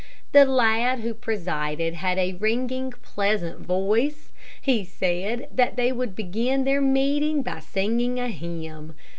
The lad who presided had a ringing, pleasant voice. He said they would begin their meeting by singing a hymn.